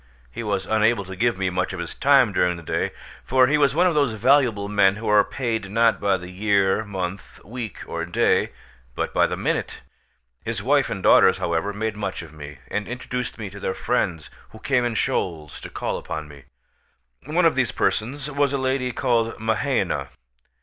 He was unable to give me much of his time during the day; for he was one of those valuable men who are paid, not by the year, month, week, or day, but by the minute. His wife and daughters, however, made much of me, and introduced me to their friends, who came in shoals to call upon me. One of these persons was a lady called Mahaina.